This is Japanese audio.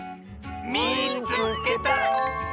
「みいつけた！」。